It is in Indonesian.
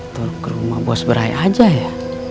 turun ke rumah bos berai aja ya